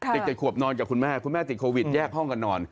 ๗ขวบนอนกับคุณแม่คุณแม่ติดโควิดแยกห้องกันนอน